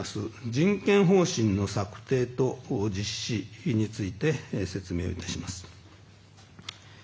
人権方針の策定と実施について説明をいたします。